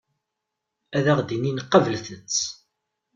Ad aɣ-d-inin qablet-tt.